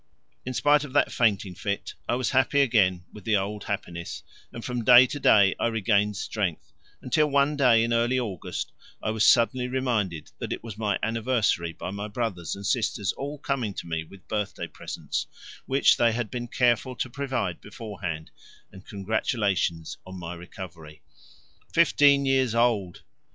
In spite of that fainting fit I was happy again with the old happiness, and from day to day I regained strength, until one day in early August I was suddenly reminded that it was my anniversary by my brothers and sisters all coming to me with birthday presents, which they had been careful to provide beforehand, and congratulations on my recovery. Fifteen years old!